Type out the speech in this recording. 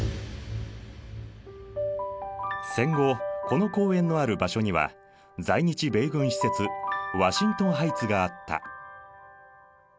戦後この公園のある場所には在日米軍施設ワシントンハイツがあった。